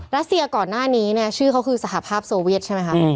รัสเซียก่อนหน้านี้เนี่ยชื่อเขาคือสหภาพโซเวียตใช่ไหมคะ